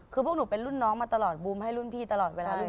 คือพวกหนูเป็นรุ่นน้องมาตลอดบูมให้รุ่นพี่ตลอดเวลาเลย